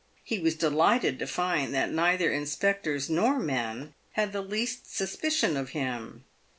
He was delighted to find that neither inspectors nor men had the least suspicion of him.